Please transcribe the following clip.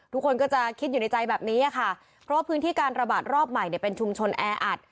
ทุกคนก็จะคิดอยู่ในใจแบบนี้ค่ะเพราะว่าพื้นที่การระบาดรอบใหม่เนี่ยเป็นชุมชนแออัด